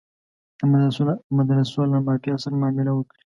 د مدرسو له مافیا سره معامله وکړي.